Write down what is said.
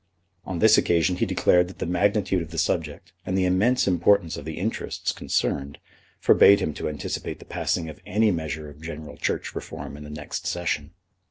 On this occasion he declared that the magnitude of the subject and the immense importance of the interests concerned forbade him to anticipate the passing of any measure of general Church reform in the next Session.